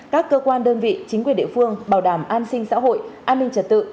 các cơ quan đơn vị chính quyền địa phương bảo đảm an sinh xã hội an ninh trật tự